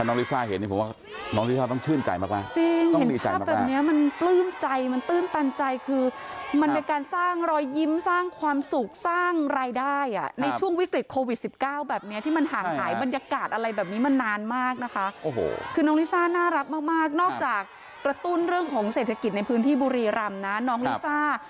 ลิซ่าเห็นนี่ผมว่าน้องลิซ่าต้องชื่นใจมากมากจริงเห็นภาพแบบนี้มันปลื้มใจมันตื้นตันใจคือมันเป็นการสร้างรอยยิ้มสร้างความสุขสร้างรายได้อ่ะในช่วงวิกฤตโควิดสิบเก้าแบบเนี้ยที่มันห่างหายบรรยากาศอะไรแบบนี้มานานมากนะคะโอ้โหคือน้องลิซ่าน่ารักมากมากนอกจากกระตุ้นเรื่องของเศรษฐกิจในพื้นที่บุรีรำนะน้องลิซ่า